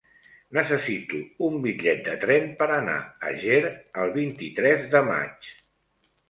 Necessito un bitllet de tren per anar a Ger el vint-i-tres de maig.